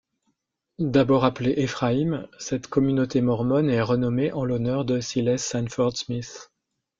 D'abord appelée Ephraïm, cette communauté mormone est renommée en l'honneur de Silas Sanford Smith.